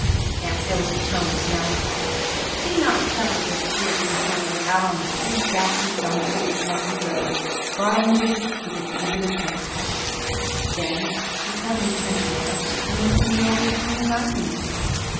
Aunt Philippa's tone was melancholy. She did not recover her good spirits until we were out on the pretty, grassy, elm shaded country road, garlanded with its ribbon of buttercups. Then she suddenly turned around and looked me over scrutinizingly.